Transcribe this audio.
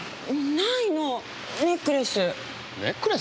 ないのネックレス。